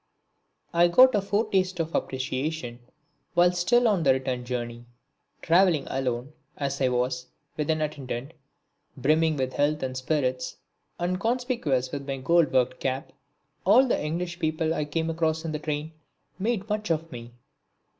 I got a foretaste of appreciation while still on the return journey. Travelling alone as I was, with an attendant, brimming with health and spirits, and conspicuous with my gold worked cap, all the English people I came across in the train made much of me.